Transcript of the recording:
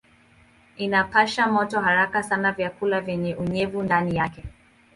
Inapasha moto haraka sana vyakula vyenye unyevu ndani yake.